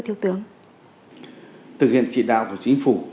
thực hiện trị đạo của chính phủ